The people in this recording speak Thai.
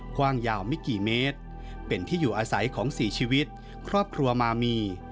กว้างยาวไม่กี่เมตรเป็นที่อยู่อาศัยของสี่ชีวิตครอบครัวมามี